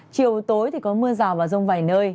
chiều tối có mưa rào và rông vài nơi